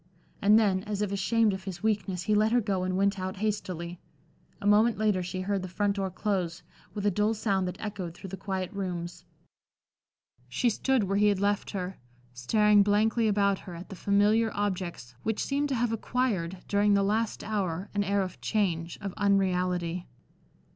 And then, as if ashamed of his weakness, he let her go and went out hastily. A moment later she heard the front door close, with a dull sound that echoed through the quiet rooms. She stood where he had left her, staring blankly about her at the familiar objects which seemed to have acquired, during the last hour, an air of change, of unreality.